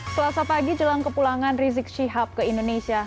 selasa pagi jelang kepulangan rizik syihab ke indonesia